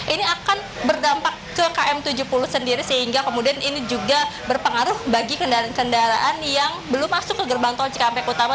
ini akan berdampak ke km tujuh puluh sendiri sehingga kemudian ini juga berpengaruh bagi kendaraan kendaraan yang belum masuk ke gerbang tol cikampek utama